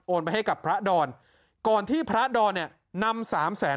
โอนไปให้กับพระดอนก่อนที่พระดอนนำ๓แสน